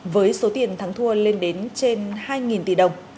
với số tiền thắng thua lên đến trên hai tỷ đồng